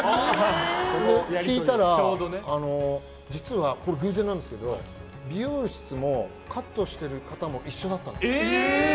それを聞いたら、実は偶然なんですけど美容室もカットしてる方も一緒だったんです。